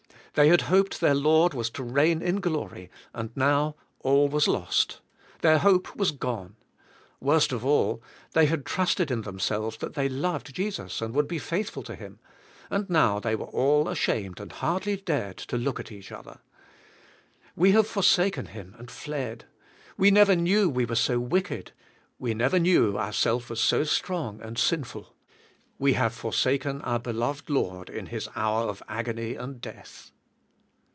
They had hoped their Lord was to BH FII,I,KD WITH THE SPIRIT. 79 reign in glory, and now all was lost. Their hope was gone. Worst of all, they had trusted in them selves that they loved Jesus and would be faithful unto Him, and now they were all ashamed and hardly dared to look at each other. We have for saken Him and fled! We never knew we were so wicked; we never knew our self was so strong and sinful. We have forsaken our beloved Lord in His hour of agony and death!